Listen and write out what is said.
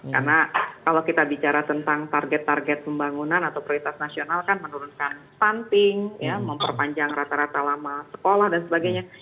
karena kalau kita bicara tentang target target pembangunan atau prioritas nasional kan menurunkan stunting memperpanjang rata rata lama sekolah dan sebagainya